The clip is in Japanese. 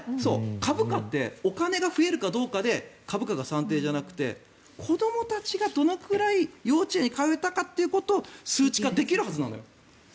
株価ってお金が増えるかどうかで株価の算定じゃなくて子どもたちがどのぐらい幼稚園に通えたかっていうのを数値化できるはずなのよ。